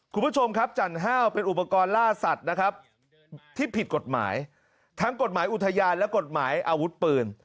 คุณผู้ชมครับจันห้าวเป็นอุปกรณ์ล่าสัตว์นะครับที่ผิดกฎหมายทั้งกฎหมายอุทยานและกฎหมายอาวุธปืน